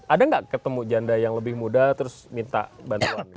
ada nggak ketemu janda yang lebih muda terus minta bantuan